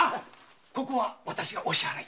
ここは私がお支払いを。